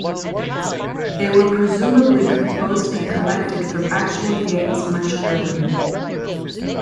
They were presumably composed and collected from actual games much earlier.